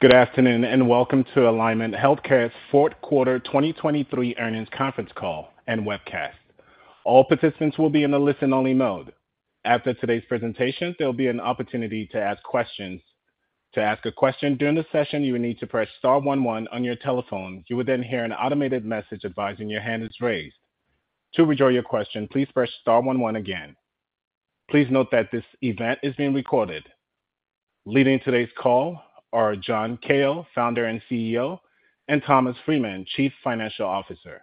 Good afternoon and welcome to Alignment Healthcare's fourth quarter 2023 earnings conference call and webcast. All participants will be in the listen-only mode. After today's presentation, there will be an opportunity to ask questions. To ask a question during the session, you will need to press star one one on your telephone. You will then hear an automated message advising your hand is raised. To rejoin your question, please press star one one again. Please note that this event is being recorded. Leading today's call are John Kao, founder and CEO, and Thomas Freeman, Chief Financial Officer.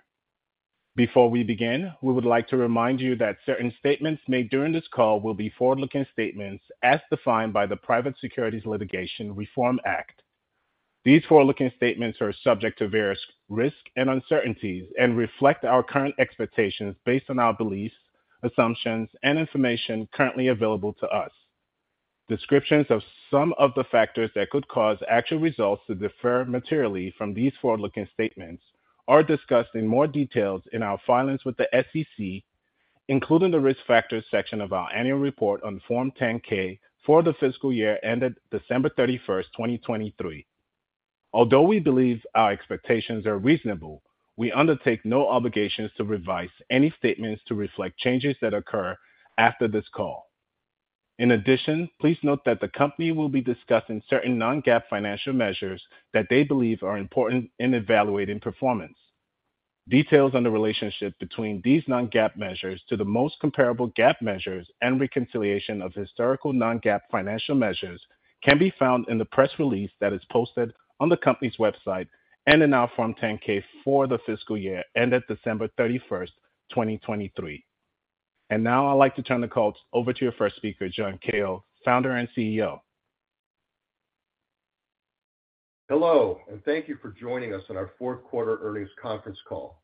Before we begin, we would like to remind you that certain statements made during this call will be forward-looking statements as defined by the Private Securities Litigation Reform Act. These forward-looking statements are subject to various risk and uncertainties and reflect our current expectations based on our beliefs, assumptions, and information currently available to us. Descriptions of some of the factors that could cause actual results to differ materially from these forward-looking statements are discussed in more detail in our filings with the SEC, including the risk factors section of our annual report on Form 10-K for the fiscal year ended December 31st, 2023. Although we believe our expectations are reasonable, we undertake no obligations to revise any statements to reflect changes that occur after this call. In addition, please note that the company will be discussing certain non-GAAP financial measures that they believe are important in evaluating performance. Details on the relationship between these non-GAAP measures to the most comparable GAAP measures and reconciliation of historical non-GAAP financial measures can be found in the press release that is posted on the company's website and in our Form 10-K for the fiscal year ended December 31st, 2023. Now I'd like to turn the call over to your first speaker, John Kao, Founder and CEO. Hello, and thank you for joining us in our fourth quarter earnings conference call.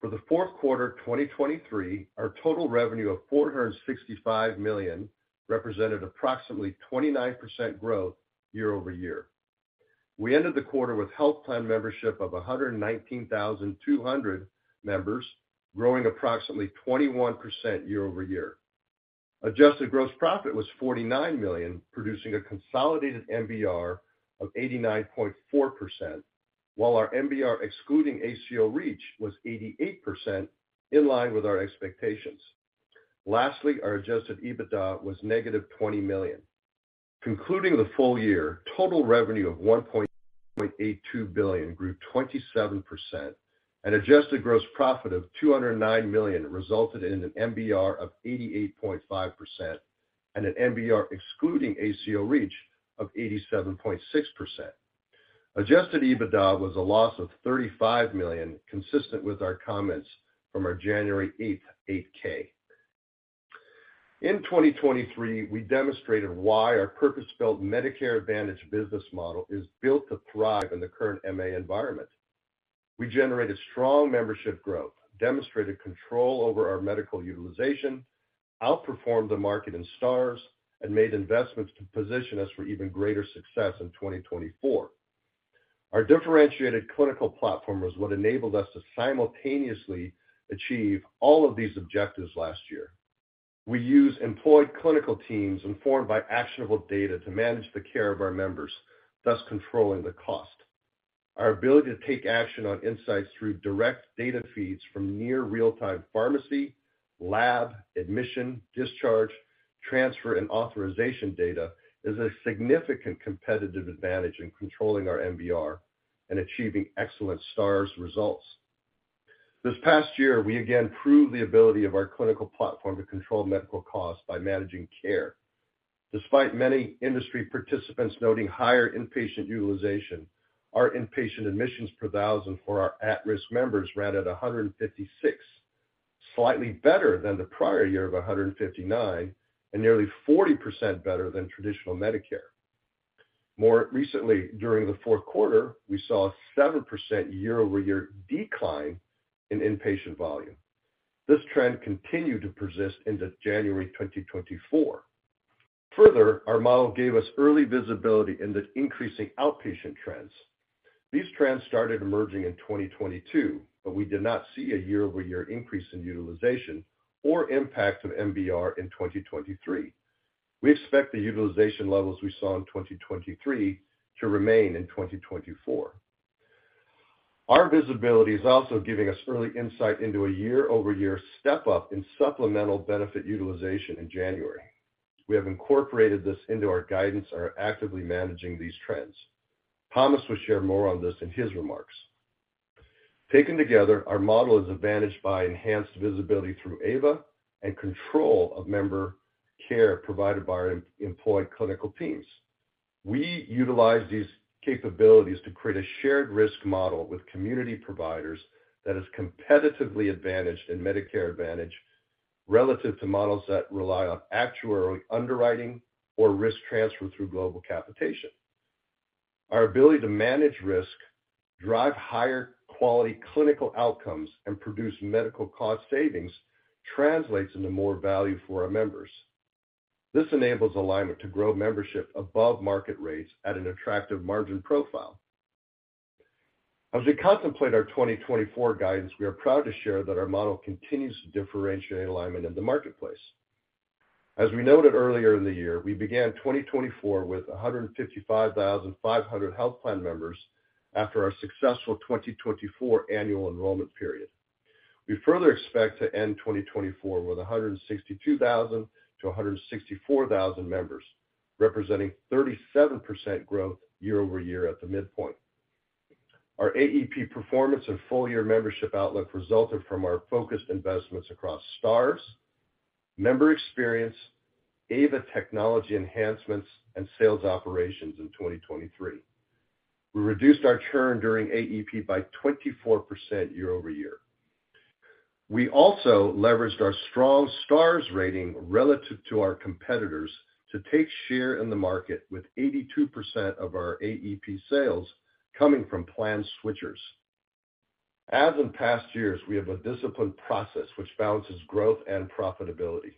For the fourth quarter 2023, our total revenue of $465 million represented approximately 29% growth year-over-year. We ended the quarter with health plan membership of 119,200 members, growing approximately 21% year-over-year. Adjusted gross profit was $49 million, producing a consolidated MBR of 89.4%, while our MBR excluding ACO REACH was 88%, in line with our expectations. Lastly, our Adjusted EBITDA was -$20 million. Concluding the full year, total revenue of $1.82 billion grew 27%, and adjusted gross profit of $209 million resulted in an MBR of 88.5% and an MBR excluding ACO REACH of 87.6%. Adjusted EBITDA was a loss of $35 million, consistent with our comments from our January 8th 8-K. In 2023, we demonstrated why our purpose-built Medicare Advantage business model is built to thrive in the current MA environment. We generated strong membership growth, demonstrated control over our medical utilization, outperformed the market in Stars, and made investments to position us for even greater success in 2024. Our differentiated clinical platform was what enabled us to simultaneously achieve all of these objectives last year. We used employed clinical teams informed by actionable data to manage the care of our members, thus controlling the cost. Our ability to take action on insights through direct data feeds from near real-time pharmacy, lab, admission, discharge, transfer, and authorization data is a significant competitive advantage in controlling our MBR and achieving excellent Stars results. This past year, we again proved the ability of our clinical platform to control medical costs by managing care. Despite many industry participants noting higher inpatient utilization, our inpatient admissions per thousand for our at-risk members ran at 156, slightly better than the prior year of 159 and nearly 40% better than traditional Medicare. More recently, during the fourth quarter, we saw a 7% year-over-year decline in inpatient volume. This trend continued to persist into January 2024. Further, our model gave us early visibility into increasing outpatient trends. These trends started emerging in 2022, but we did not see a year-over-year increase in utilization or impact of MBR in 2023. We expect the utilization levels we saw in 2023 to remain in 2024. Our visibility is also giving us early insight into a year-over-year step-up in supplemental benefit utilization in January. We have incorporated this into our guidance and are actively managing these trends. Thomas will share more on this in his remarks. Taken together, our model is advantaged by enhanced visibility through AVA and control of member care provided by our employed clinical teams. We utilize these capabilities to create a shared risk model with community providers that is competitively advantaged in Medicare Advantage relative to models that rely on actuarial underwriting or risk transfer through global capitation. Our ability to manage risk, drive higher quality clinical outcomes, and produce medical cost savings translates into more value for our members. This enables Alignment to grow membership above market rates at an attractive margin profile. As we contemplate our 2024 guidance, we are proud to share that our model continues to differentiate Alignment in the marketplace. As we noted earlier in the year, we began 2024 with 155,500 health plan members after our successful 2024 annual enrollment period. We further expect to end 2024 with 162,000-164,000 members, representing 37% growth year-over-year at the midpoint. Our AEP performance and full-year membership outlook resulted from our focused investments across Stars, member experience, AVA® technology enhancements, and sales operations in 2023. We reduced our churn during AEP by 24% year-over-year. We also leveraged our strong Stars rating relative to our competitors to take share in the market with 82% of our AEP sales coming from plan switchers. As in past years, we have a disciplined process which balances growth and profitability.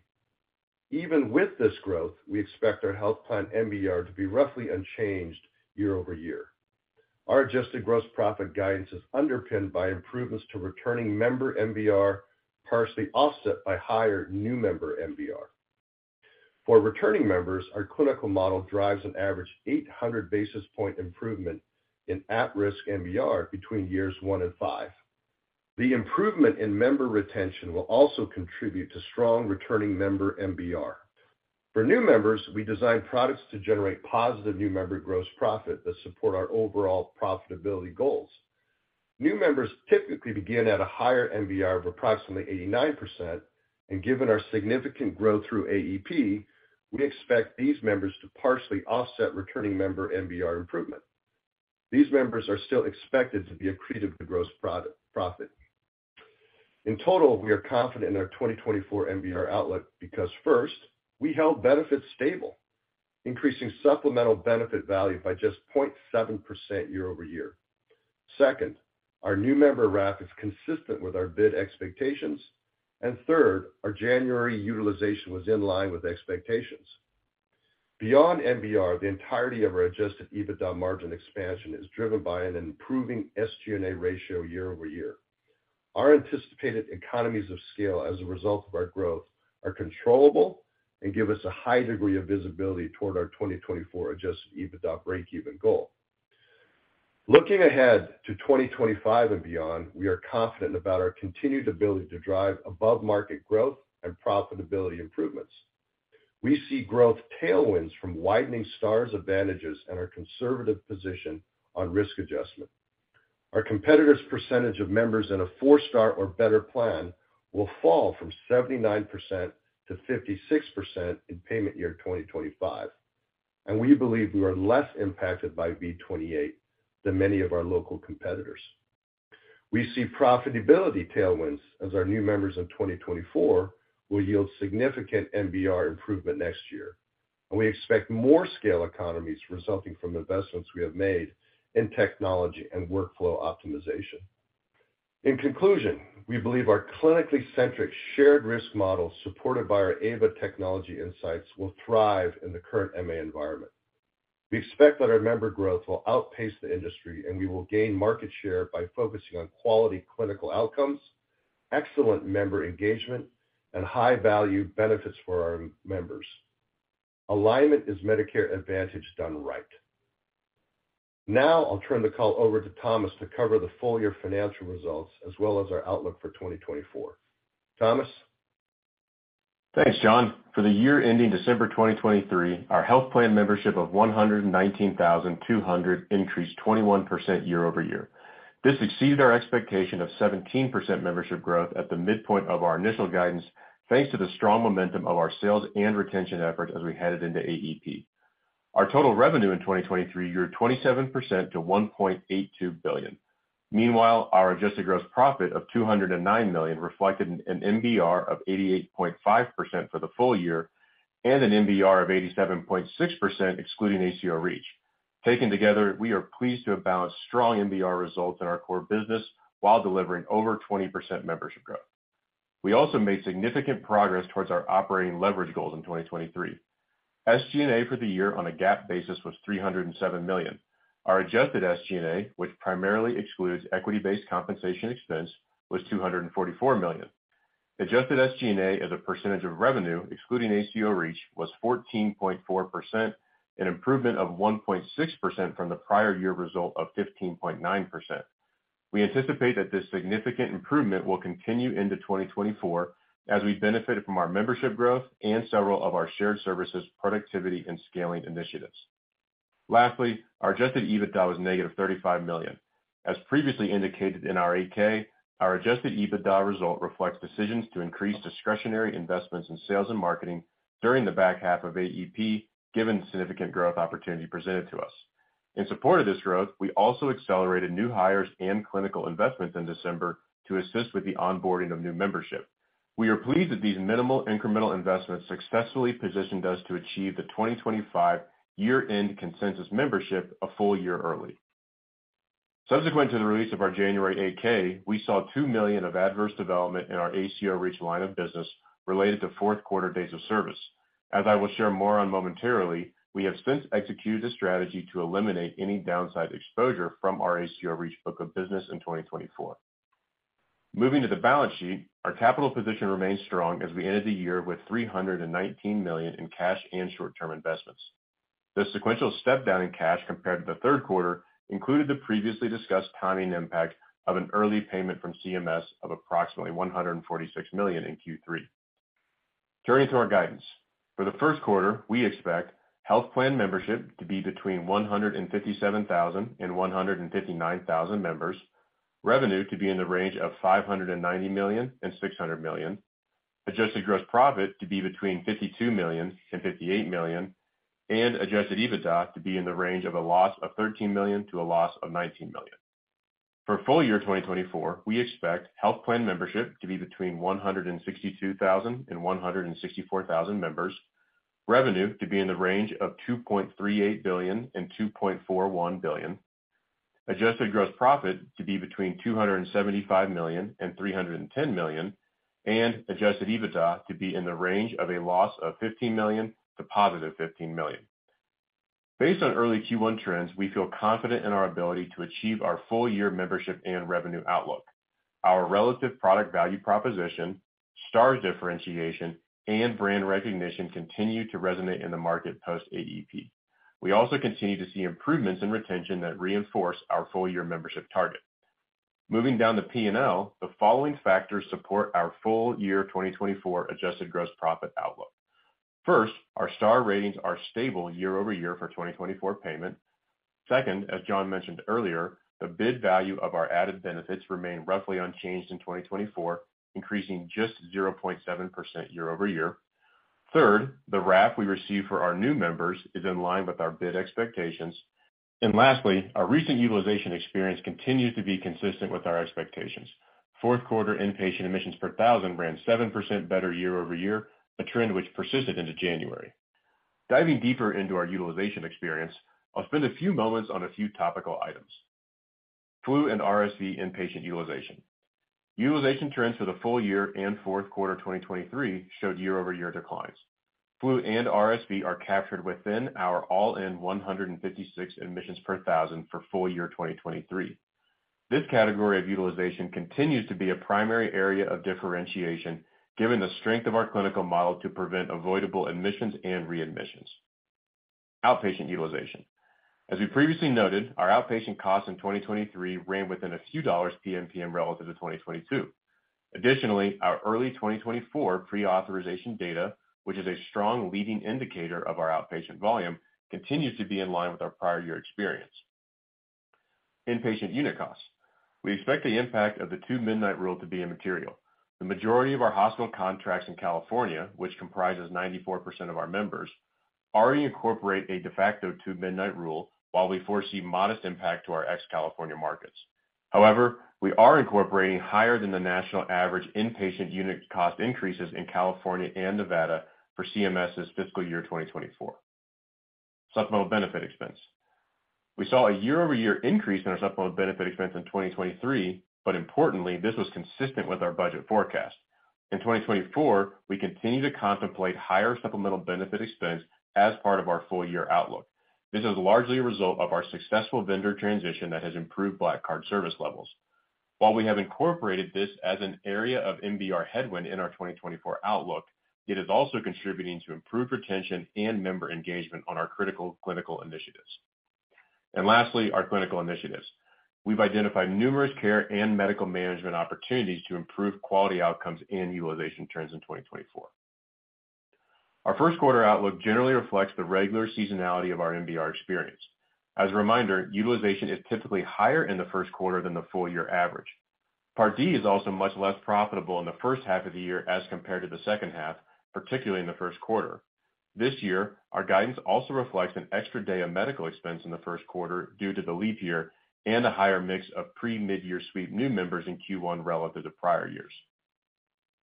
Even with this growth, we expect our health plan MBR to be roughly unchanged year-over-year. Our adjusted gross profit guidance is underpinned by improvements to returning member MBR, partially offset by higher new member MBR. For returning members, our clinical model drives an average 800 basis point improvement in at-risk MBR between years one and five. The improvement in member retention will also contribute to strong returning member MBR. For new members, we design products to generate positive new member gross profit that support our overall profitability goals. New members typically begin at a higher MBR of approximately 89%, and given our significant growth through AEP, we expect these members to partially offset returning member MBR improvement. These members are still expected to be accretive to gross profit. In total, we are confident in our 2024 MBR outlook because, first, we held benefits stable, increasing supplemental benefit value by just 0.7% year-over-year. Second, our new member RAF is consistent with our bid expectations. And third, our January utilization was in line with expectations. Beyond MBR, the entirety of our Adjusted EBITDA margin expansion is driven by an improving SG&A ratio year-over-year. Our anticipated economies of scale as a result of our growth are controllable and give us a high degree of visibility toward our 2024 Adjusted EBITDA break-even goal. Looking ahead to 2025 and beyond, we are confident about our continued ability to drive above-market growth and profitability improvements. We see growth tailwinds from widening Stars advantages and our conservative position on risk adjustment. Our competitors' percentage of members in a four-star or better plan will fall from 79%-56% in payment year 2025, and we believe we are less impacted by V28 than many of our local competitors. We see profitability tailwinds as our new members in 2024 will yield significant MBR improvement next year, and we expect more scale economies resulting from investments we have made in technology and workflow optimization. In conclusion, we believe our clinically-centric shared risk model supported by our AVA technology insights will thrive in the current MA environment. We expect that our member growth will outpace the industry, and we will gain market share by focusing on quality clinical outcomes, excellent member engagement, and high-value benefits for our members. Alignment is Medicare Advantage done right. Now I'll turn the call over to Thomas to cover the full-year financial results as well as our outlook for 2024. Thomas? Thanks, John. For the year ending December 2023, our health plan membership of 119,200 increased 21% year-over-year. This exceeded our expectation of 17% membership growth at the midpoint of our initial guidance, thanks to the strong momentum of our sales and retention efforts as we headed into AEP. Our total revenue in 2023 grew 27% to $1.82 billion. Meanwhile, our adjusted gross profit of $209 million reflected an MBR of 88.5% for the full year and an MBR of 87.6% excluding ACO REACH. Taken together, we are pleased to have balanced strong MBR results in our core business while delivering over 20% membership growth. We also made significant progress towards our operating leverage goals in 2023. SG&A for the year on a GAAP basis was $307 million. Our adjusted SG&A, which primarily excludes equity-based compensation expense, was $244 million. Adjusted SG&A as a percentage of revenue excluding ACO REACH was 14.4%, an improvement of 1.6% from the prior year result of 15.9%. We anticipate that this significant improvement will continue into 2024 as we benefit from our membership growth and several of our shared services productivity and scaling initiatives. Lastly, our Adjusted EBITDA was -$35 million. As previously indicated in our 8-K, our Adjusted EBITDA result reflects decisions to increase discretionary investments in sales and marketing during the back half of AEP given significant growth opportunity presented to us. In support of this growth, we also accelerated new hires and clinical investments in December to assist with the onboarding of new membership. We are pleased that these minimal incremental investments successfully positioned us to achieve the 2025 year-end consensus membership a full year early. Subsequent to the release of our January 8-K, we saw $2 million of adverse development in our ACO REACH line of business related to fourth quarter dates of service. As I will share more on momentarily, we have since executed a strategy to eliminate any downside exposure from our ACO REACH book of business in 2024. Moving to the balance sheet, our capital position remains strong as we ended the year with $319 million in cash and short-term investments. The sequential step-down in cash compared to the third quarter included the previously discussed timing impact of an early payment from CMS of approximately $146 million in Q3. Turning to our guidance. For the first quarter, we expect health plan membership to be between 157,000-159,000 members, revenue to be in the range of $590 million-$600 million, Adjusted Gross Profit to be between $52 million-$58 million, and Adjusted EBITDA to be in the range of a loss of $13 million-$19 million. For full year 2024, we expect health plan membership to be between 162,000-164,000 members, revenue to be in the range of $2.38 billion-$2.41 billion, Adjusted Gross Profit to be between $275 million-$310 million, and Adjusted EBITDA to be in the range of a loss of $15 million to +$15 million. Based on early Q1 trends, we feel confident in our ability to achieve our full-year membership and revenue outlook. Our relative product value proposition, Stars differentiation, and brand recognition continue to resonate in the market post-AEP. We also continue to see improvements in retention that reinforce our full-year membership target. Moving down the P&L, the following factors support our full-year 2024 Adjusted Gross Profit outlook. First, our Stars ratings are stable year-over-year for 2024 payment. Second, as John mentioned earlier, the bid value of our added benefits remained roughly unchanged in 2024, increasing just 0.7% year-over-year. Third, the RAF we receive for our new members is in line with our bid expectations. And lastly, our recent utilization experience continues to be consistent with our expectations. Fourth quarter inpatient admissions per thousand ran 7% better year-over-year, a trend which persisted into January. Diving deeper into our utilization experience, I'll spend a few moments on a few topical items. Flu and RSV inpatient utilization. Utilization trends for the full year and fourth quarter 2023 showed year-over-year declines. Flu and RSV are captured within our all-in 156 admissions per thousand for full year 2023. This category of utilization continues to be a primary area of differentiation given the strength of our clinical model to prevent avoidable admissions and readmissions. Outpatient utilization. As we previously noted, our outpatient costs in 2023 ran within a few dollars PMPM relative to 2022. Additionally, our early 2024 pre-authorization data, which is a strong leading indicator of our outpatient volume, continues to be in line with our prior year experience. Inpatient unit costs. We expect the impact of the Two Midnight Rule to be immaterial. The majority of our hospital contracts in California, which comprises 94% of our members, already incorporate a de facto Two Midnight Rule while we foresee modest impact to our ex-California markets. However, we are incorporating higher than the national average inpatient unit cost increases in California and Nevada for CMS's fiscal year 2024. Supplemental benefit expense. We saw a year-over-year increase in our supplemental benefit expense in 2023, but importantly, this was consistent with our budget forecast. In 2024, we continue to contemplate higher supplemental benefit expense as part of our full-year outlook. This is largely a result of our successful vendor transition that has improved Black Card service levels. While we have incorporated this as an area of MBR headwind in our 2024 outlook, it is also contributing to improved retention and member engagement on our critical clinical initiatives. And lastly, our clinical initiatives. We've identified numerous care and medical management opportunities to improve quality outcomes and utilization trends in 2024. Our first quarter outlook generally reflects the regular seasonality of our MBR experience. As a reminder, utilization is typically higher in the first quarter than the full-year average. Part D is also much less profitable in the first half of the year as compared to the second half, particularly in the first quarter. This year, our guidance also reflects an extra day of medical expense in the first quarter due to the leap year and a higher mix of pre-Midyear Sweep new members in Q1 relative to prior years.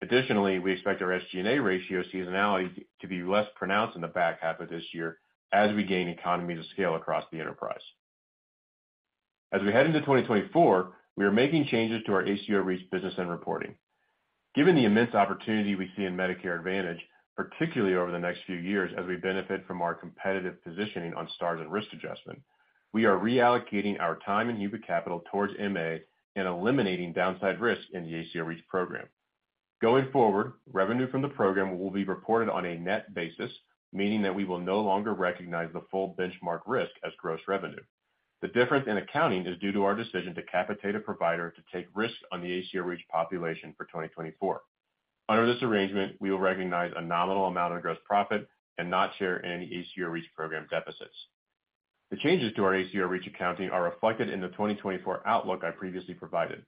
Additionally, we expect our SG&A ratio seasonality to be less pronounced in the back half of this year as we gain economies of scale across the enterprise. As we head into 2024, we are making changes to our ACO REACH business and reporting. Given the immense opportunity we see in Medicare Advantage, particularly over the next few years as we benefit from our competitive positioning on Stars and risk adjustment, we are reallocating our time and human capital towards MA and eliminating downside risk in the ACO REACH program. Going forward, revenue from the program will be reported on a net basis, meaning that we will no longer recognize the full benchmark risk as gross revenue. The difference in accounting is due to our decision to capitate a provider to take risk on the ACO REACH population for 2024. Under this arrangement, we will recognize a nominal amount of gross profit and not share in any ACO REACH program deficits. The changes to our ACO REACH accounting are reflected in the 2024 outlook I previously provided.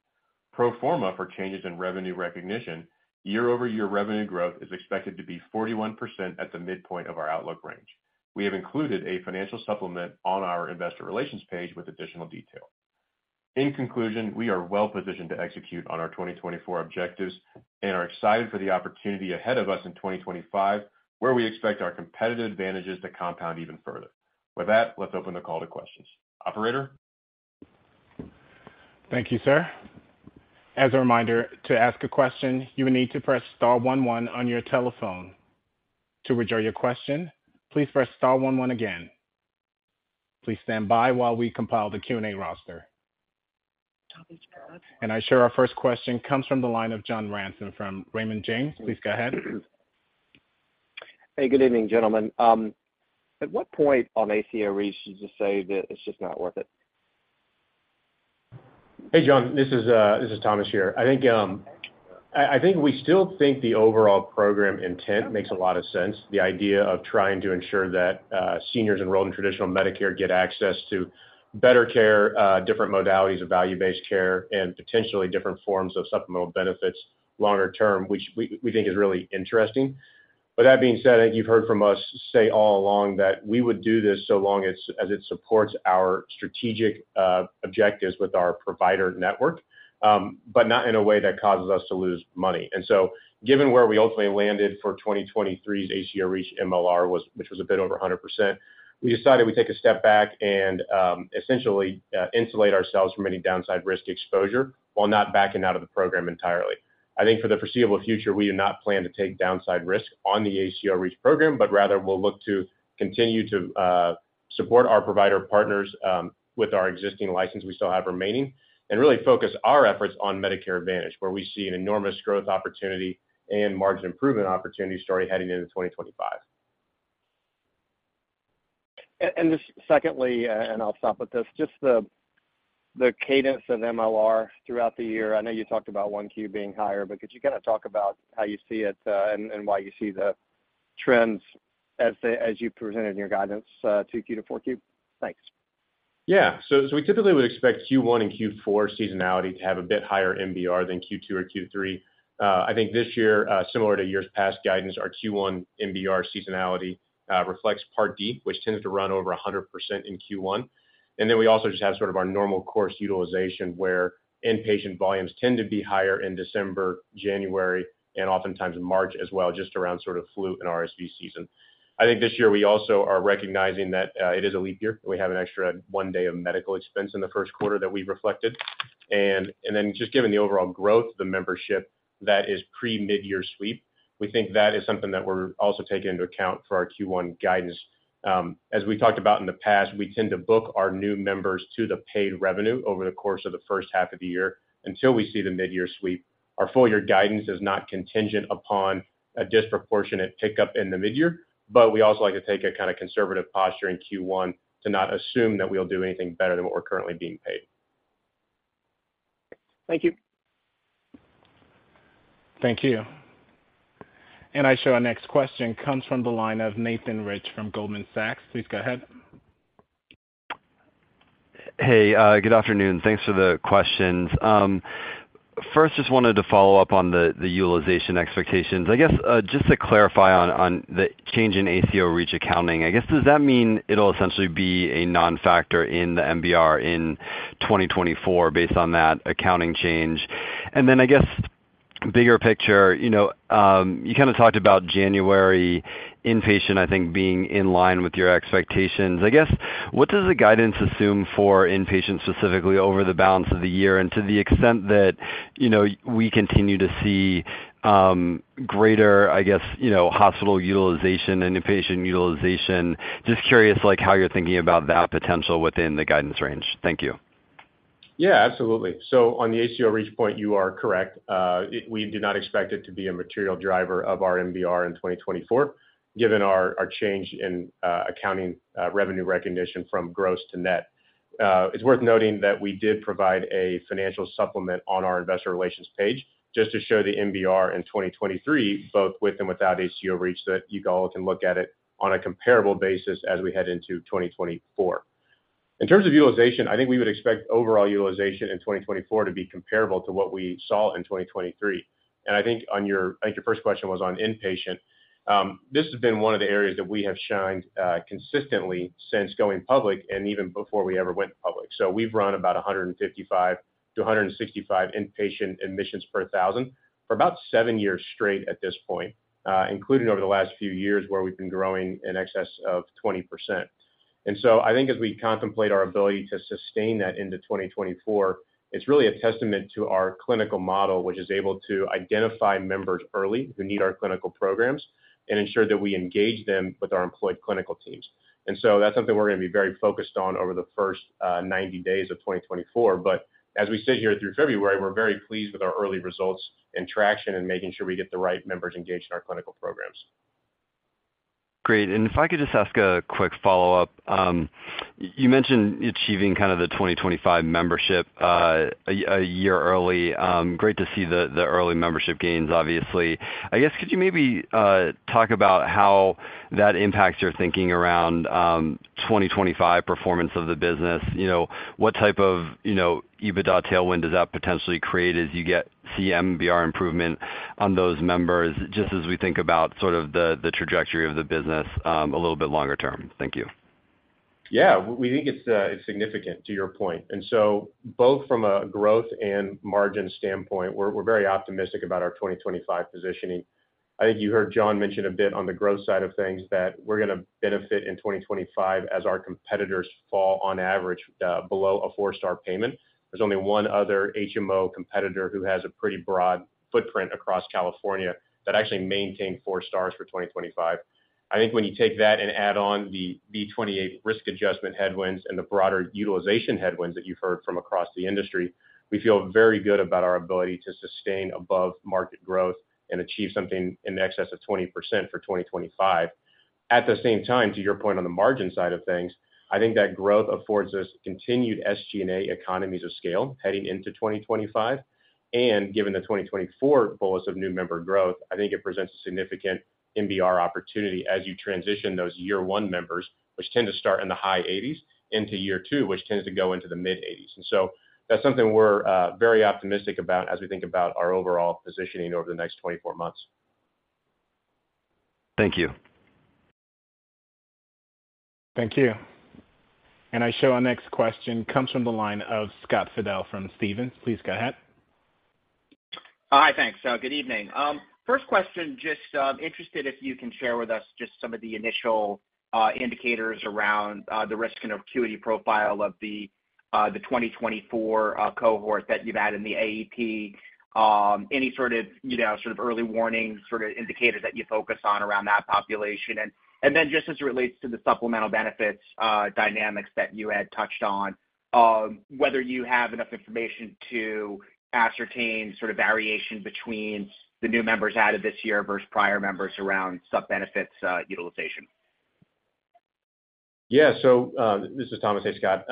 Pro forma for changes in revenue recognition, year-over-year revenue growth is expected to be 41% at the midpoint of our outlook range. We have included a financial supplement on our investor relations page with additional detail. In conclusion, we are well positioned to execute on our 2024 objectives and are excited for the opportunity ahead of us in 2025 where we expect our competitive advantages to compound even further. With that, let's open the call to questions. Operator? Thank you, sir. As a reminder, to ask a question, you will need to press star one one on your telephone. To rejoin your question, please press star one one again. Please stand by while we compile the Q&A roster. I assure our first question comes from the line of John Ransom from Raymond James. Please go ahead. Hey, good evening, gentlemen. At what point on ACO REACH should you say that it's just not worth it? Hey, John. This is Thomas here. I think we still think the overall program intent makes a lot of sense. The idea of trying to ensure that seniors enrolled in traditional Medicare get access to better care, different modalities of value-based care, and potentially different forms of supplemental benefits longer term, which we think is really interesting. With that being said, I think you've heard from us say all along that we would do this so long as it supports our strategic objectives with our provider network, but not in a way that causes us to lose money. And so given where we ultimately landed for 2023's ACO REACH MLR, which was a bit over 100%, we decided we'd take a step back and essentially insulate ourselves from any downside risk exposure while not backing out of the program entirely. I think for the foreseeable future, we do not plan to take downside risk on the ACO REACH program, but rather we'll look to continue to support our provider partners with our existing license we still have remaining and really focus our efforts on Medicare Advantage where we see an enormous growth opportunity and margin improvement opportunity starting heading into 2025. And secondly, and I'll stop with this, just the cadence of MLR throughout the year. I know you talked about 1Q being higher, but could you kind of talk about how you see it and why you see the trends as you presented in your guidance 2Q to 4Q? Thanks. Yeah. So we typically would expect Q1 and Q4 seasonality to have a bit higher MBR than Q2 or Q3. I think this year, similar to years past guidance, our Q1 MBR seasonality reflects Part D, which tends to run over 100% in Q1. And then we also just have sort of our normal course utilization where inpatient volumes tend to be higher in December, January, and oftentimes March as well, just around sort of flu and RSV season. I think this year we also are recognizing that it is a leap year. We have an extra one day of medical expense in the first quarter that we've reflected. And then just given the overall growth of the membership that is pre-Midyear Sweep, we think that is something that we're also taking into account for our Q1 guidance. As we've talked about in the past, we tend to book our new members to the paid revenue over the course of the first half of the year until we see the Midyear Sweep. Our full-year guidance is not contingent upon a disproportionate pickup in the Midyear, but we also like to take a kind of conservative posture in Q1 to not assume that we'll do anything better than what we're currently being paid. Thank you. Thank you. I show our next question comes from the line of Nathan Rich from Goldman Sachs. Please go ahead. Hey, good afternoon. Thanks for the questions. First, just wanted to follow up on the utilization expectations. I guess just to clarify on the change in ACO REACH accounting, I guess does that mean it'll essentially be a non-factor in the MBR in 2024 based on that accounting change? And then I guess bigger picture, you kind of talked about January inpatient, I think, being in line with your expectations. I guess what does the guidance assume for inpatient specifically over the balance of the year and to the extent that we continue to see greater, I guess, hospital utilization and inpatient utilization? Just curious how you're thinking about that potential within the guidance range. Thank you. Yeah, absolutely. So on the ACO REACH point, you are correct. We do not expect it to be a material driver of our MBR in 2024 given our change in accounting revenue recognition from gross to net. It's worth noting that we did provide a financial supplement on our investor relations page just to show the MBR in 2023, both with and without ACO REACH, that you all can look at it on a comparable basis as we head into 2024. In terms of utilization, I think we would expect overall utilization in 2024 to be comparable to what we saw in 2023. And I think your first question was on inpatient. This has been one of the areas that we have shined consistently since going public and even before we ever went public. We've run about 155-165 inpatient admissions per 1,000 for about seven years straight at this point, including over the last few years where we've been growing in excess of 20%. I think as we contemplate our ability to sustain that into 2024, it's really a testament to our clinical model, which is able to identify members early who need our clinical programs and ensure that we engage them with our employed clinical teams. That's something we're going to be very focused on over the first 90 days of 2024. But as we sit here through February, we're very pleased with our early results and traction and making sure we get the right members engaged in our clinical programs. Great. And if I could just ask a quick follow-up. You mentioned achieving kind of the 2025 membership a year early. Great to see the early membership gains, obviously. I guess could you maybe talk about how that impacts your thinking around 2025 performance of the business? What type of EBITDA tailwind does that potentially create as you get CMBR improvement on those members just as we think about sort of the trajectory of the business a little bit longer term? Thank you. Yeah. We think it's significant to your point. So both from a growth and margin standpoint, we're very optimistic about our 2025 positioning. I think you heard John mention a bit on the growth side of things that we're going to benefit in 2025 as our competitors fall, on average, below a four Stars payment. There's only one other HMO competitor who has a pretty broad footprint across California that actually maintained four Stars for 2025. I think when you take that and add on the V28 risk adjustment headwinds and the broader utilization headwinds that you've heard from across the industry, we feel very good about our ability to sustain above-market growth and achieve something in excess of 20% for 2025. At the same time, to your point on the margin side of things, I think that growth affords us continued SG&A economies of scale heading into 2025. Given the 2024 bolus of new member growth, I think it presents a significant MBR opportunity as you transition those year one members, which tend to start in the high 80s, into year two, which tends to go into the mid 80s. And so that's something we're very optimistic about as we think about our overall positioning over the next 24 months. Thank you. Thank you. And I show our next question comes from the line of Scott Fidel from Stephens. Please go ahead. Hi, thanks. Good evening. First question, just interested if you can share with us just some of the initial indicators around the risk and acuity profile of the 2024 cohort that you've had in the AEP. Any sort of early warning sort of indicators that you focus on around that population? And then just as it relates to the supplemental benefits dynamics that you had touched on, whether you have enough information to ascertain sort of variation between the new members added this year versus prior members around sub-benefits utilization? Yeah. So this is Thomas. Hey, Scott.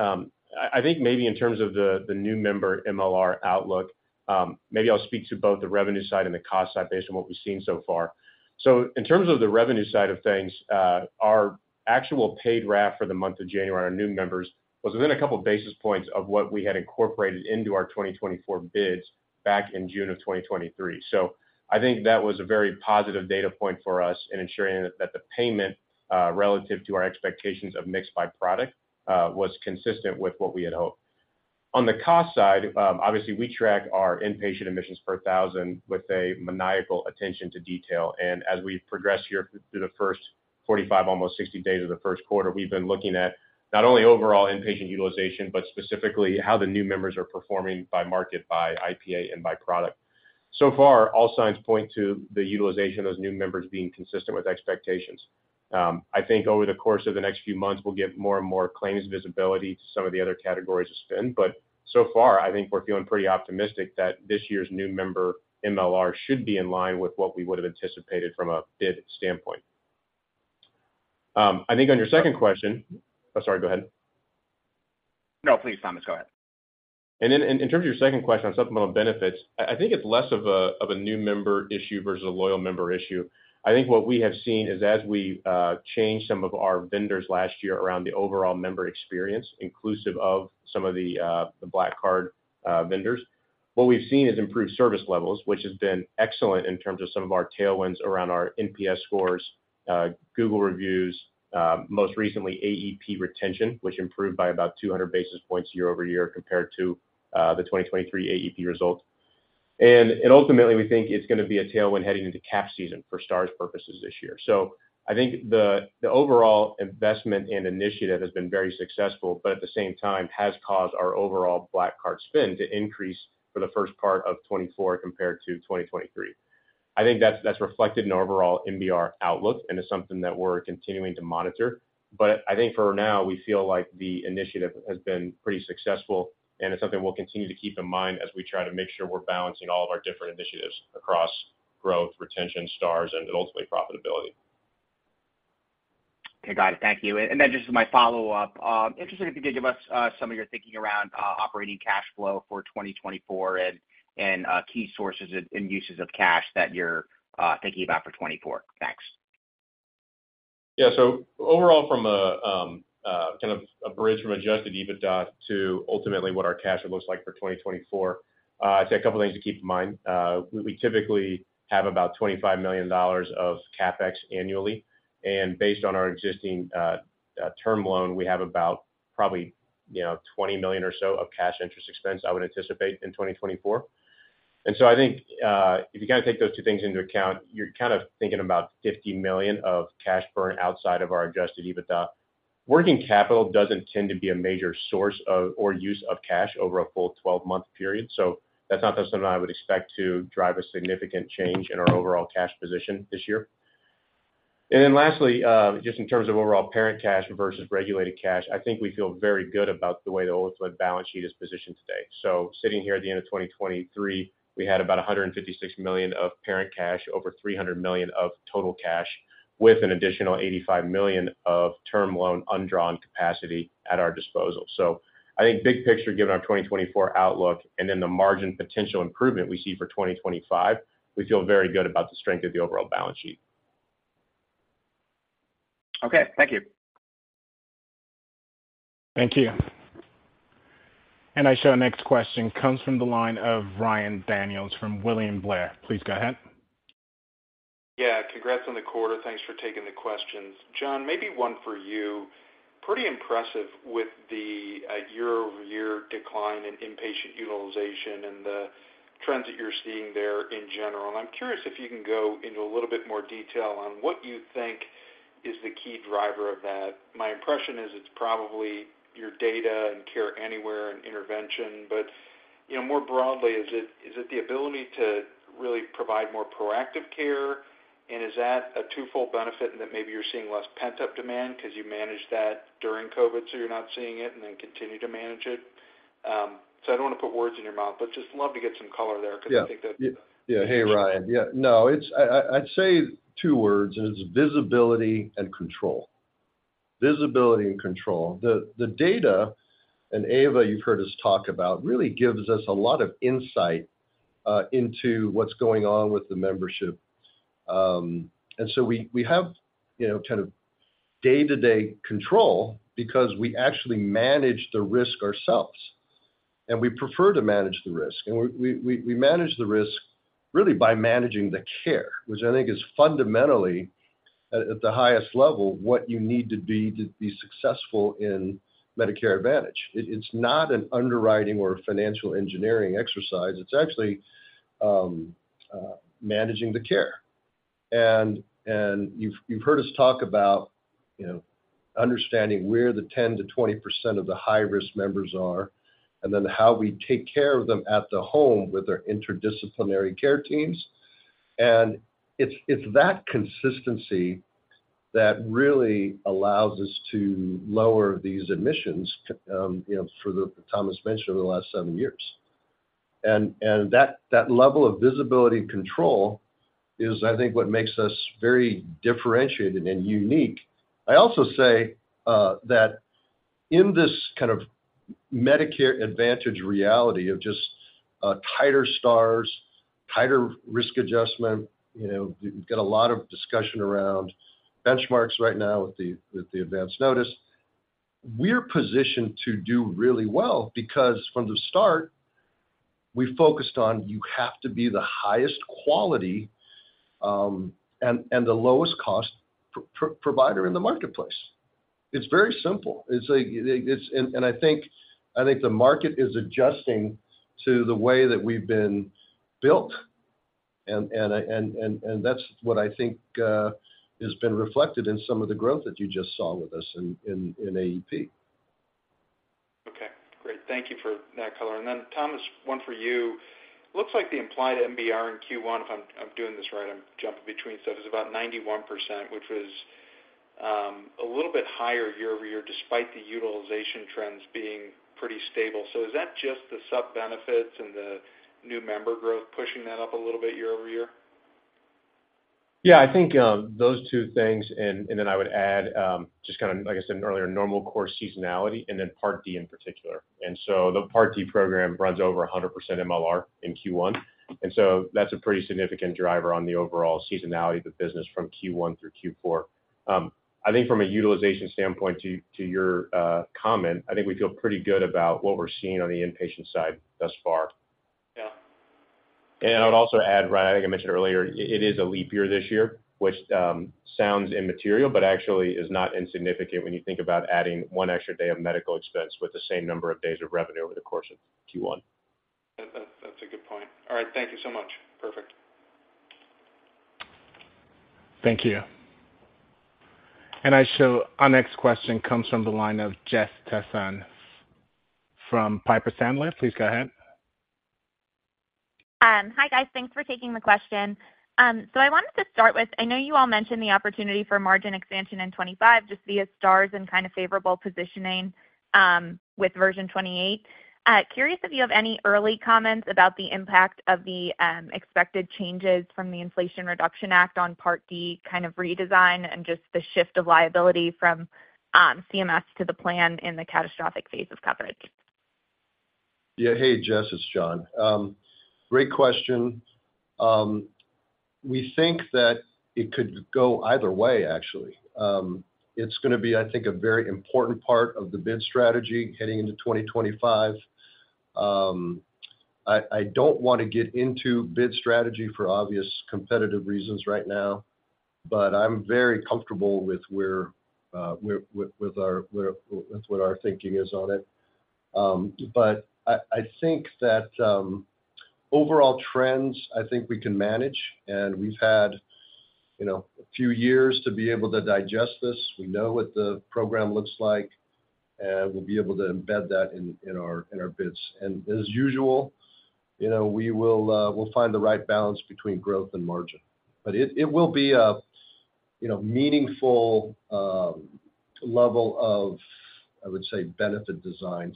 I think maybe in terms of the new member MLR outlook, maybe I'll speak to both the revenue side and the cost side based on what we've seen so far. So in terms of the revenue side of things, our actual paid RAF for the month of January, our new members, was within a couple of basis points of what we had incorporated into our 2024 bids back in June of 2023. So I think that was a very positive data point for us in ensuring that the payment relative to our expectations of mix by product was consistent with what we had hoped. On the cost side, obviously, we track our inpatient admissions per thousand with a maniacal attention to detail. As we progress here through the first 45, almost 60 days of the first quarter, we've been looking at not only overall inpatient utilization, but specifically how the new members are performing by market, by IPA, and by product. So far, all signs point to the utilization of those new members being consistent with expectations. I think over the course of the next few months, we'll get more and more claims visibility to some of the other categories of spend. But so far, I think we're feeling pretty optimistic that this year's new member MLR should be in line with what we would have anticipated from a bid standpoint. I think on your second question, oh, sorry. Go ahead. No, please, Thomas. Go ahead. Then in terms of your second question on supplemental benefits, I think it's less of a new member issue versus a loyal member issue. I think what we have seen is as we changed some of our vendors last year around the overall member experience, inclusive of some of the Black Card vendors, what we've seen is improved service levels, which has been excellent in terms of some of our tailwinds around our NPS scores, Google reviews, most recently, AEP retention, which improved by about 200 basis points year-over-year compared to the 2023 AEP result. And ultimately, we think it's going to be a tailwind heading into cap season for Stars' purposes this year. So I think the overall investment and initiative has been very successful, but at the same time, has caused our overall Black Card spend to increase for the first part of 2024 compared to 2023. I think that's reflected in our overall MBR outlook, and it's something that we're continuing to monitor. But I think for now, we feel like the initiative has been pretty successful, and it's something we'll continue to keep in mind as we try to make sure we're balancing all of our different initiatives across growth, retention, Stars, and ultimately profitability. Okay, got it. Thank you. And then just as my follow-up, interested if you could give us some of your thinking around operating cash flow for 2024 and key sources and uses of cash that you're thinking about for 2024. Thanks. Yeah. So overall, from kind of a bridge from Adjusted EBITDA to ultimately what our cash flow looks like for 2024, I'd say a couple of things to keep in mind. We typically have about $25 million of CapEx annually. Based on our existing term loan, we have about probably $20 million or so of cash interest expense I would anticipate in 2024. So I think if you kind of take those two things into account, you're kind of thinking about $50 million of cash burn outside of our Adjusted EBITDA. Working capital doesn't tend to be a major source or use of cash over a full 12-month period. So that's not something I would expect to drive a significant change in our overall cash position this year. Then lastly, just in terms of overall parent cash versus regulated cash, I think we feel very good about the way our balance sheet is positioned today. So sitting here at the end of 2023, we had about $156 million of parent cash over $300 million of total cash with an additional $85 million of term loan undrawn capacity at our disposal. So I think big picture, given our 2024 outlook and then the margin potential improvement we see for 2025, we feel very good about the strength of the overall balance sheet. Okay. Thank you. Thank you. And I show our next question comes from the line of Ryan Daniels from William Blair. Please go ahead. Yeah. Congrats on the quarter. Thanks for taking the questions. John, maybe one for you. Pretty impressive with the year-over-year decline in inpatient utilization and the trends that you're seeing there in general. And I'm curious if you can go into a little bit more detail on what you think is the key driver of that. My impression is it's probably your data and care anywhere and intervention. But more broadly, is it the ability to really provide more proactive care? And is that a twofold benefit in that maybe you're seeing less pent-up demand because you managed that during COVID, so you're not seeing it and then continue to manage it? So I don't want to put words in your mouth, but just love to get some color there because I think that. Yeah. Hey, Ryan. Yeah. No, I'd say two words, and it's visibility and control. Visibility and control. The data and AVA, you've heard us talk about, really gives us a lot of insight into what's going on with the membership. And so we have kind of day-to-day control because we actually manage the risk ourselves. And we prefer to manage the risk. And we manage the risk really by managing the care, which I think is fundamentally, at the highest level, what you need to be successful in Medicare Advantage. It's not an underwriting or financial engineering exercise. It's actually managing the care. And you've heard us talk about understanding where the 10%-20% of the high-risk members are and then how we take care of them at the home with our interdisciplinary care teams. It's that consistency that really allows us to lower these admissions that Thomas mentioned over the last seven years. And that level of visibility and control is, I think, what makes us very differentiated and unique. I also say that in this kind of Medicare Advantage reality of just tighter Stars, tighter risk adjustment, we've got a lot of discussion around benchmarks right now with the Advance Notice. We're positioned to do really well because from the start, we focused on you have to be the highest quality and the lowest cost provider in the marketplace. It's very simple. And I think the market is adjusting to the way that we've been built. And that's what I think has been reflected in some of the growth that you just saw with us in AEP. Okay. Great. Thank you for that color. And then, Thomas, one for you. Looks like the implied MBR in Q1, if I'm doing this right, I'm jumping between stuff, is about 91%, which was a little bit higher year-over-year despite the utilization trends being pretty stable. So is that just the sub-benefits and the new member growth pushing that up a little bit year-over-year? Yeah. I think those two things. And then I would add just kind of, like I said earlier, normal core seasonality and then Part D in particular. And so the Part D program runs over 100% MLR in Q1. And so that's a pretty significant driver on the overall seasonality of the business from Q1 through Q4. I think from a utilization standpoint, to your comment, I think we feel pretty good about what we're seeing on the inpatient side thus far. And I would also add, Ryan, I think I mentioned earlier, it is a leap year this year, which sounds immaterial but actually is not insignificant when you think about adding one extra day of medical expense with the same number of days of revenue over the course of Q1. That's a good point. All right. Thank you so much. Perfect. Thank you. And I show our next question comes from the line of Jessica Tassan from Piper Sandler. Please go ahead. Hi, guys. Thanks for taking the question. I wanted to start with I know you all mentioned the opportunity for margin expansion in 2025 just via Stars and kind of favorable positioning with version 28. Curious if you have any early comments about the impact of the expected changes from the Inflation Reduction Act on Part D kind of redesign and just the shift of liability from CMS to the plan in the catastrophic phase of coverage? Yeah. Hey, Jess. It's John. Great question. We think that it could go either way, actually. It's going to be, I think, a very important part of the bid strategy heading into 2025. I don't want to get into bid strategy for obvious competitive reasons right now, but I'm very comfortable with where our thinking is on it. But I think that overall trends, I think we can manage. And we've had a few years to be able to digest this. We know what the program looks like, and we'll be able to embed that in our bids. And as usual, we will find the right balance between growth and margin. But it will be a meaningful level of, I would say, benefit design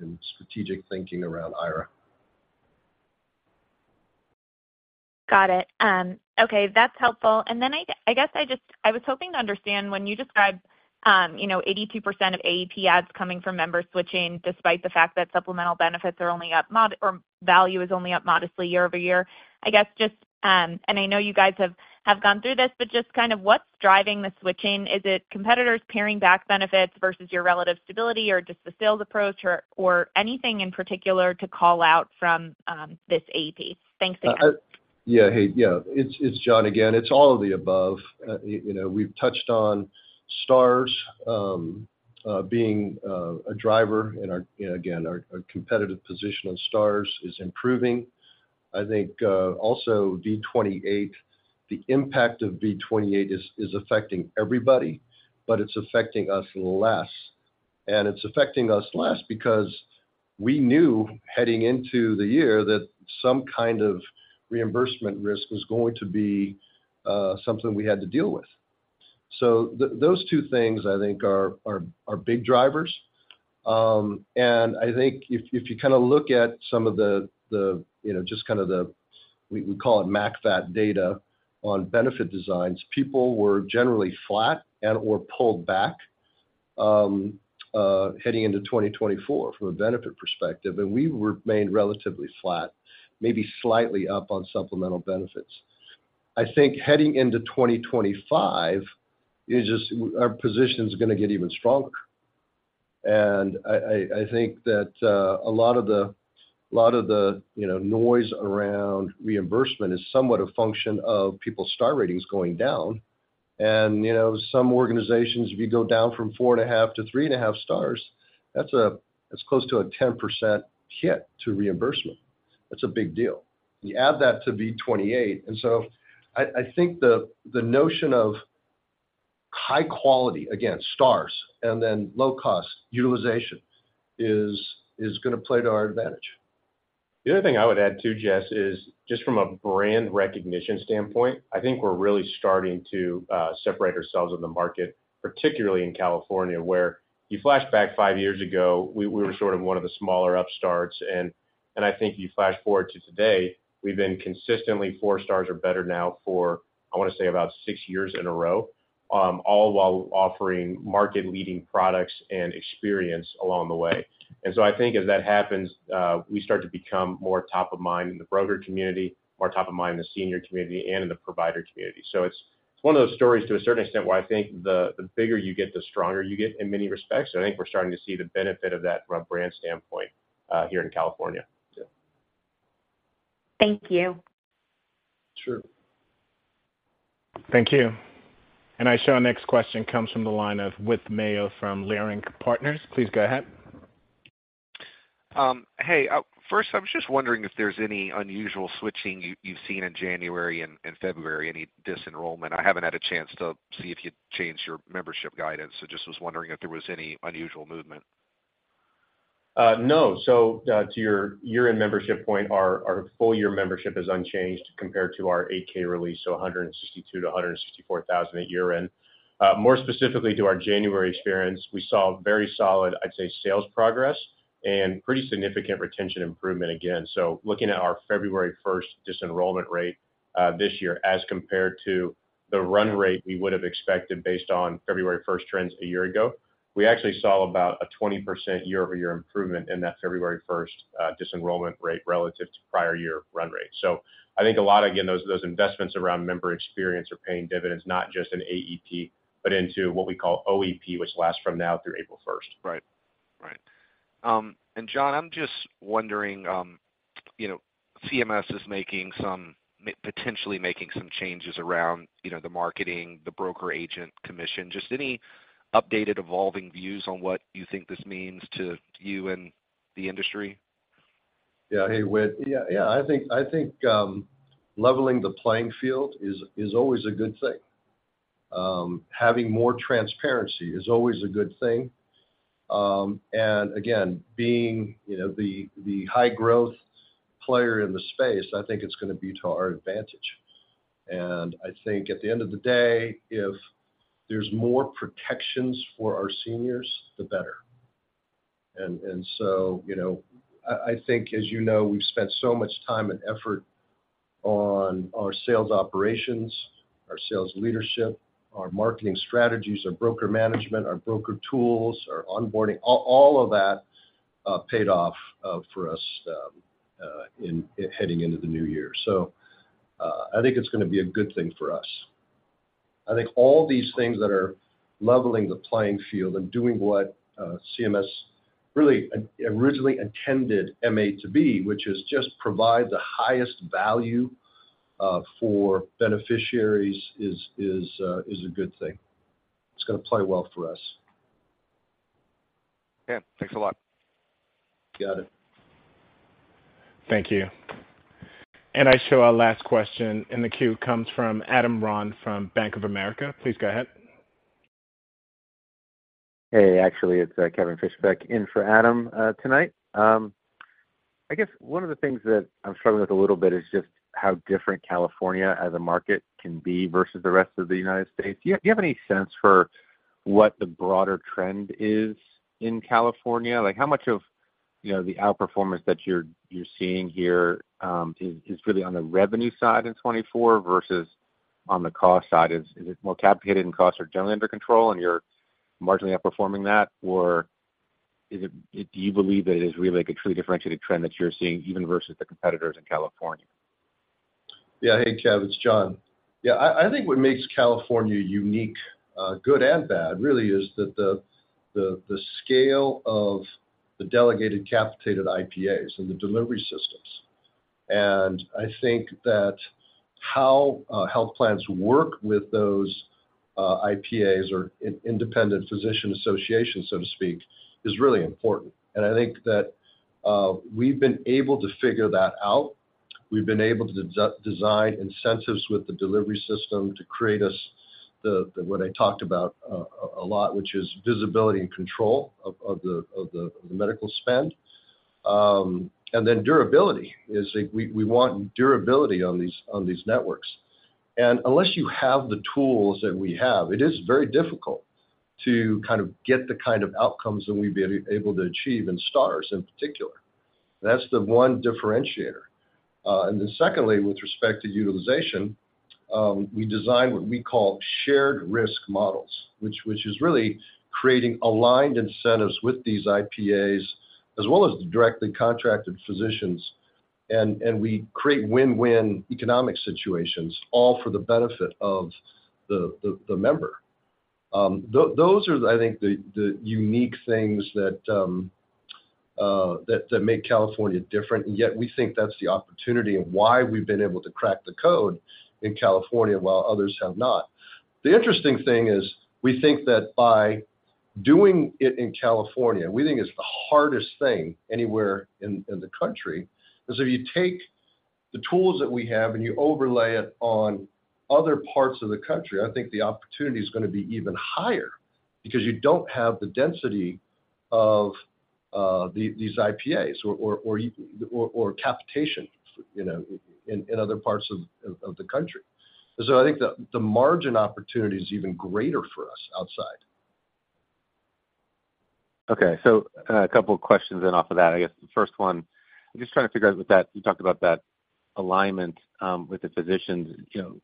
and strategic thinking around IRA. Got it. Okay. That's helpful. And then I guess I was hoping to understand when you describe 82% of AEP ads coming from members switching despite the fact that supplemental benefits are only up or value is only up modestly year-over-year, I guess just and I know you guys have gone through this, but just kind of what's driving the switching? Is it competitors paring back benefits versus your relative stability or just the sales approach or anything in particular to call out from this AEP? Thanks again. Yeah. Hey. Yeah. It's John again. It's all of the above. We've touched on Stars being a driver. And again, our competitive position on Stars is improving. I think also V28, the impact of V28 is affecting everybody, but it's affecting us less. And it's affecting us less because we knew heading into the year that some kind of reimbursement risk was going to be something we had to deal with. So those two things, I think, are big drivers. And I think if you kind of look at some of the just kind of the we call it MACFAT data on benefit designs, people were generally flat and/or pulled back heading into 2024 from a benefit perspective. And we remained relatively flat, maybe slightly up on supplemental benefits. I think heading into 2025, our position is going to get even stronger. I think that a lot of the noise around reimbursement is somewhat a function of people's Stars ratings going down. Some organizations, if you go down from 4.5 to 3.5 Stars, that's close to a 10% hit to reimbursement. That's a big deal. You add that to V28. So I think the notion of high quality, again, Stars, and then low-cost utilization is going to play to our advantage. The other thing I would add too, Jess, is just from a brand recognition standpoint, I think we're really starting to separate ourselves in the market, particularly in California, where you flashback five years ago, we were sort of one of the smaller upstarts. And I think if you flash forward to today, we've been consistently four Stars or better now for, I want to say, about six years in a row, all while offering market-leading products and experience along the way. And so I think as that happens, we start to become more top of mind in the broker community, more top of mind in the senior community, and in the provider community. So it's one of those stories to a certain extent where I think the bigger you get, the stronger you get in many respects. I think we're starting to see the benefit of that from a brand standpoint here in California. Thank you. Sure. Thank you. I show our next question comes from the line of Whit Mayo from Leerink Partners. Please go ahead. Hey. First, I was just wondering if there's any unusual switching you've seen in January and February, any disenrollment. I haven't had a chance to see if you'd changed your membership guidance. So just was wondering if there was any unusual movement. No. So to your year-end membership point, our full-year membership is unchanged compared to our 8-K release, so 162,000-164,000 at year-end. More specifically to our January experience, we saw very solid, I'd say, sales progress and pretty significant retention improvement again. So looking at our February 1st disenrollment rate this year as compared to the run rate we would have expected based on February 1st trends a year ago, we actually saw about a 20% year-over-year improvement in that February 1st disenrollment rate relative to prior year run rate. So I think a lot, again, those investments around member experience are paying dividends, not just in AEP, but into what we call OEP, which lasts from now through April 1st. Right. Right. And John, I'm just wondering, CMS is potentially making some changes around the marketing, the broker agent commission. Just any updated, evolving views on what you think this means to you and the industry? Yeah. Hey, Whit. Yeah. Yeah. I think leveling the playing field is always a good thing. Having more transparency is always a good thing. And again, being the high-growth player in the space, I think it's going to be to our advantage. And I think at the end of the day, if there's more protections for our seniors, the better. And so I think, as you know, we've spent so much time and effort on our sales operations, our sales leadership, our marketing strategies, our broker management, our broker tools, our onboarding, all of that paid off for us heading into the new year. So I think it's going to be a good thing for us. I think all these things that are leveling the playing field and doing what CMS really originally intended MA to be, which is just provide the highest value for beneficiaries, is a good thing. It's going to play well for us. Okay. Thanks a lot. Got it. Thank you. I show our last question in the queue comes from Adam Ron from Bank of America. Please go ahead. Hey. Actually, it's Kevin Fischbeck in for Adam tonight. I guess one of the things that I'm struggling with a little bit is just how different California as a market can be versus the rest of the United States. Do you have any sense for what the broader trend is in California? How much of the outperformance that you're seeing here is really on the revenue side in 2024 versus on the cost side? Is it more capitated in costs or generally under control, and you're marginally outperforming that? Or do you believe that it is really a truly differentiated trend that you're seeing even versus the competitors in California? Yeah. Hey, Kev. It's John. Yeah. I think what makes California unique, good and bad, really is that the scale of the delegated capitated IPAs and the delivery systems. I think that how health plans work with those IPAs or independent physician associations, so to speak, is really important. I think that we've been able to figure that out. We've been able to design incentives with the delivery system to create what I talked about a lot, which is visibility and control of the medical spend. Then durability. We want durability on these networks. Unless you have the tools that we have, it is very difficult to kind of get the kind of outcomes that we've been able to achieve in Stars in particular. That's the one differentiator. And then secondly, with respect to utilization, we design what we call shared risk models, which is really creating aligned incentives with these IPAs as well as the directly contracted physicians. We create win-win economic situations, all for the benefit of the member. Those are, I think, the unique things that make California different. Yet, we think that's the opportunity and why we've been able to crack the code in California while others have not. The interesting thing is we think that by doing it in California, we think it's the hardest thing anywhere in the country is if you take the tools that we have and you overlay it on other parts of the country, I think the opportunity is going to be even higher because you don't have the density of these IPAs or capitation in other parts of the country. I think the margin opportunity is even greater for us outside. Okay. So a couple of questions then off of that. I guess the first one, I'm just trying to figure out with that, you talked about that alignment with the physicians.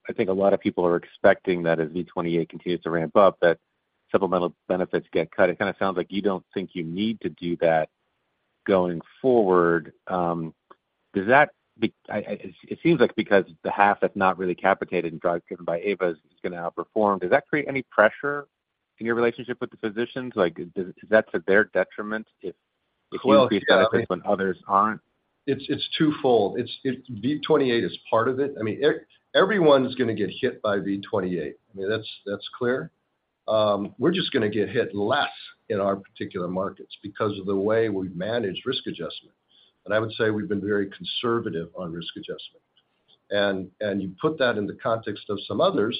I think a lot of people are expecting that as V28 continues to ramp up, that supplemental benefits get cut. It kind of sounds like you don't think you need to do that going forward. It seems like because the half that's not really capitated and driven by IPAs is going to outperform, does that create any pressure in your relationship with the physicians? Is that to their detriment if you increase benefits when others aren't? Well, it's twofold. V28 is part of it. I mean, everyone's going to get hit by V28. I mean, that's clear. We're just going to get hit less in our particular markets because of the way we've managed risk adjustment. And I would say we've been very conservative on risk adjustment. And you put that in the context of some others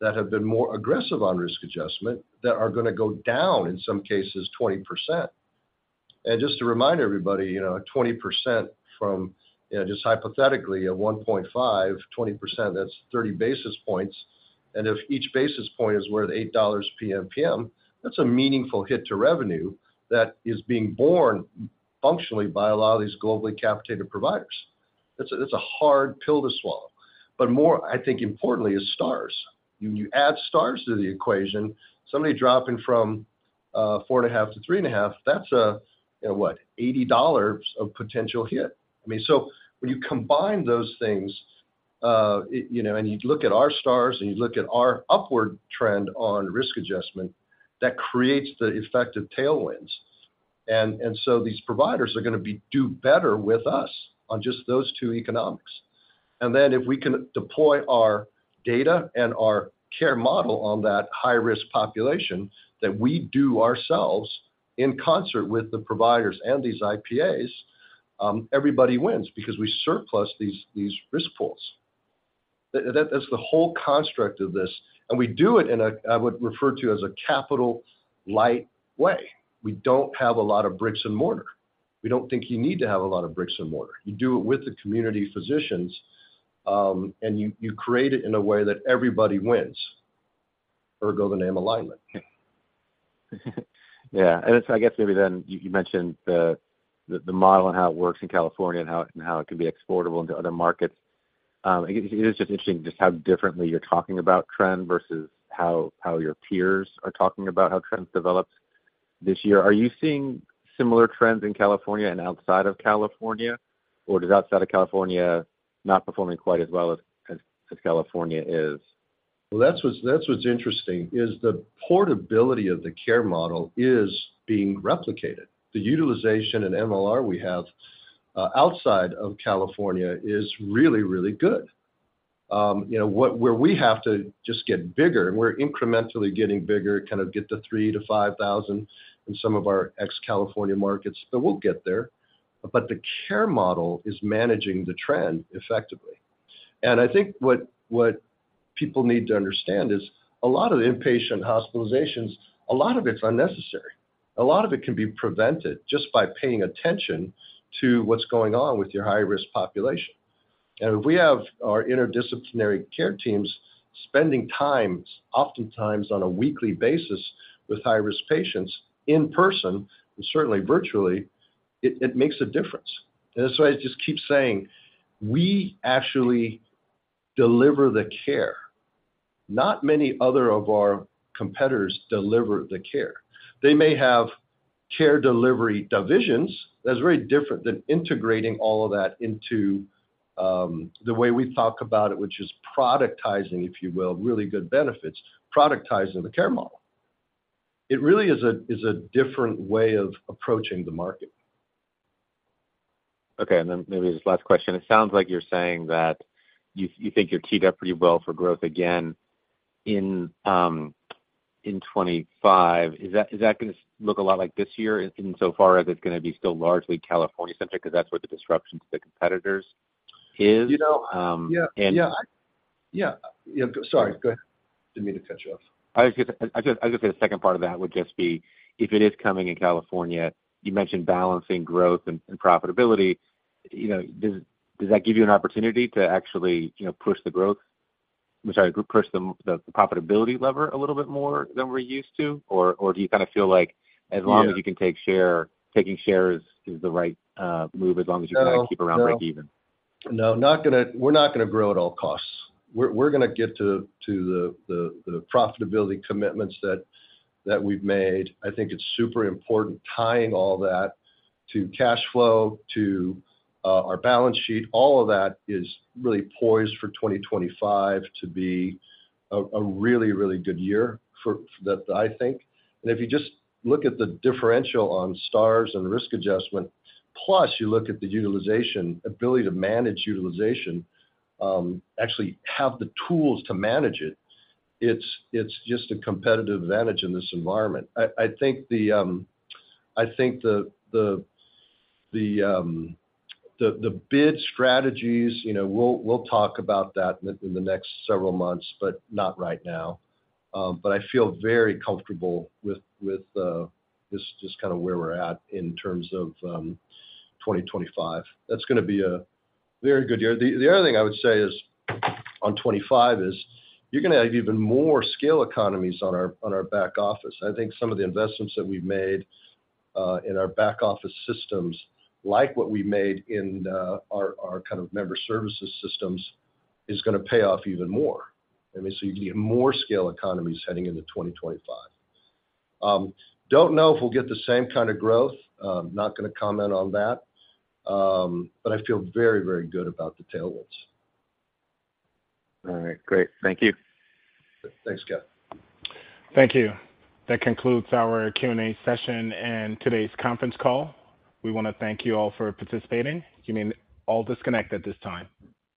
that have been more aggressive on risk adjustment that are going to go down, in some cases, 20%. And just to remind everybody, 20% from just hypothetically a 1.5, 20%, that's 30 basis points. And if each basis point is worth $8 PMPM, that's a meaningful hit to revenue that is being born functionally by a lot of these globally capitated providers. That's a hard pill to swallow. But more, I think importantly, is Stars. When you add Stars to the equation, somebody dropping from 4.5 to 3.5, that's a, what, $80 of potential hit. I mean, so when you combine those things and you look at our Stars and you look at our upward trend on risk adjustment, that creates the effect of tailwinds. And so these providers are going to do better with us on just those two economics. And then if we can deploy our data and our care model on that high-risk population that we do ourselves in concert with the providers and these IPAs, everybody wins because we surplus these risk pools. That's the whole construct of this. And we do it in a, I would refer to as, a capital-light way. We don't have a lot of bricks and mortar. We don't think you need to have a lot of bricks and mortar. You do it with the community physicians, and you create it in a way that everybody wins, ergo the name Alignment. Yeah. And so I guess maybe then you mentioned the model and how it works in California and how it can be exportable into other markets. It is just interesting just how differently you're talking about trend versus how your peers are talking about how trends developed this year. Are you seeing similar trends in California and outside of California, or does outside of California not performing quite as well as California is? Well, that's what's interesting is the portability of the care model is being replicated. The utilization and MLR we have outside of California is really, really good. Where we have to just get bigger and we're incrementally getting bigger, kind of get to 3,000 to 5,000 in some of our ex-California markets, but we'll get there. But the care model is managing the trend effectively. And I think what people need to understand is a lot of the inpatient hospitalizations, a lot of it's unnecessary. A lot of it can be prevented just by paying attention to what's going on with your high-risk population. And if we have our interdisciplinary care teams spending time, oftentimes on a weekly basis, with high-risk patients in person and certainly virtually, it makes a difference. That's why I just keep saying, "We actually deliver the care." Not many other of our competitors deliver the care. They may have care delivery divisions that's very different than integrating all of that into the way we talk about it, which is productizing, if you will, really good benefits, productizing the care model. It really is a different way of approaching the market. Okay. And then maybe this last question. It sounds like you're saying that you think you're teed up pretty well for growth again in 2025. Is that going to look a lot like this year insofar as it's going to be still largely California-centric because that's where the disruption to the competitors is? Yeah. Yeah. Yeah. Sorry. Go ahead. Didn't mean to cut you off. I was going to say the second part of that would just be if it is coming in California. You mentioned balancing growth and profitability. Does that give you an opportunity to actually push the growth? I'm sorry, push the profitability lever a little bit more than we're used to, or do you kind of feel like as long as you can take share, taking share is the right move as long as you kind of keep around break-even? No. We're not going to grow at all costs. We're going to get to the profitability commitments that we've made. I think it's super important tying all that to cash flow, to our balance sheet. All of that is really poised for 2025 to be a really, really good year, I think. And if you just look at the differential on Stars and risk adjustment, plus you look at the ability to manage utilization, actually have the tools to manage it, it's just a competitive advantage in this environment. I think the bid strategies we'll talk about that in the next several months, but not right now. But I feel very comfortable with just kind of where we're at in terms of 2025. That's going to be a very good year. The other thing I would say on 2025 is you're going to have even more scale economies on our back office. I think some of the investments that we've made in our back office systems, like what we made in our kind of member services systems, is going to pay off even more. I mean, so you can get more scale economies heading into 2025. Don't know if we'll get the same kind of growth. Not going to comment on that. But I feel very, very good about the tailwinds. All right. Great. Thank you. Thanks, Kev. Thank you. That concludes our Q&A session and today's conference call. We want to thank you all for participating. You may all disconnect at this time.